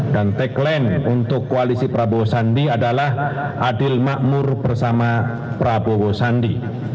dan tagline untuk koalisi prabowo sandi adalah adil makmur bersama prabowo sandi